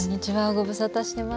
ご無沙汰してます。